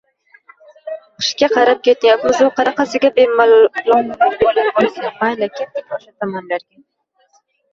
— Qishga qarab ketyapmiz-u, qanaqasiga bemalolroq bo‘lsin! Mayli, ketdik, o‘sha tomonlarga!..